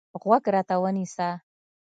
غوږ راته ونیسه.